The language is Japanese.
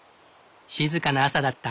静かな朝だった。